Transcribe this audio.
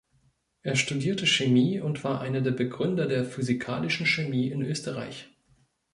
Er studierte Chemie und war einer der Begründer der physikalischen Chemie in Österreich.